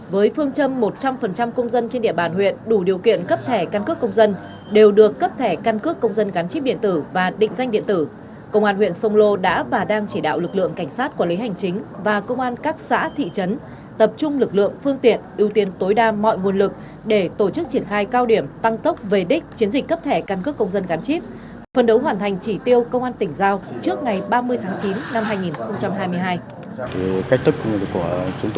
với phương châm một trăm linh công dân trên địa bàn huyện đủ điều kiện cấp thẻ căn cước công dân đều được cấp thẻ căn cước công dân gắn chip điện tử và định danh điện tử công an huyện sông lô đã và đang chỉ đạo lực lượng cảnh sát quản lý hành chính và công an các xã thị trấn tập trung lực lượng phương tiện ưu tiên tối đa mọi nguồn lực để tổ chức triển khai cao điểm tăng tốc về đích chiến dịch cấp thẻ căn cước công dân gắn chip phần đấu hoàn thành chỉ tiêu công an tỉnh giao trước ngày ba mươi tháng chín năm hai nghìn hai mươi hai